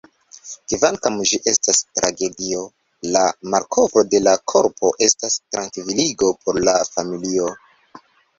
Kvankam ĝi estas tragedio, la malkovro de la korpo estas trankviligo por la familio.